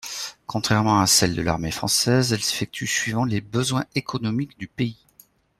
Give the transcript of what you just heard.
Contrairement à celle de l’armée française, elle s’effectue suivant les besoins économiques du pays.